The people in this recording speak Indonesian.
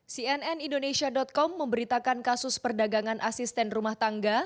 cnnindonesia com memberitakan kasus perdagangan asisten rumah tangga